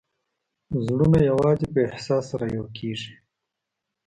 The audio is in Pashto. زړونه یوازې په احساس سره یو کېږي.